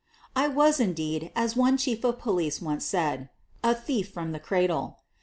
I was, indeed, as one chief of police once said, "A thief from the cradle.'